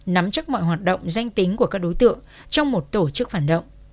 nắm chắc mọi hoạt động danh tính của các đối tượng trong một tổ chức phản động